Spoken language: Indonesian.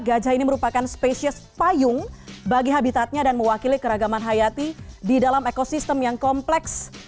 gajah ini merupakan spesies payung bagi habitatnya dan mewakili keragaman hayati di dalam ekosistem yang kompleks